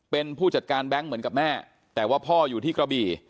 เป็นผู้จัดการแบงค์เหมือนกับแม่แต่ว่าพ่ออยู่ที่กระบี่